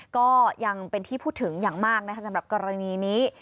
ก็ยังเป็นที่พูดถึงอย่างมากนะคะสำหรับกรณีนี้